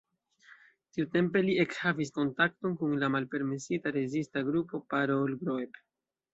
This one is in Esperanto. Tiutempe li ekhavis kontakton kun la malpermesita rezista grupo "Parool-groep".